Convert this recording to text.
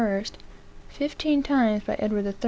fifteen times by Edward III.